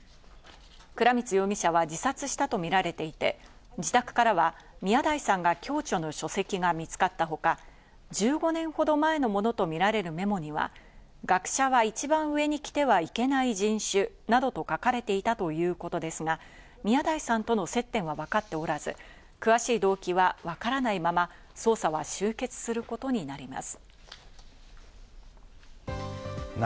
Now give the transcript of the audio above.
倉光容疑者は自殺したとみられていて、自宅からは宮台さんが共著の書籍が見つかったほか、１５年ほど前のものとみられるメモには、「学者は１番上にきてはいけない人種」などと書かれていたということですが、宮台さんとの接点はわかっておらず、詳しい動機はわからないまま、捜査は終結することになります。